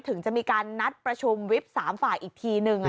ถึงจะมีการนัดประชุมวิบ๓ฝ่ายอีกทีนึง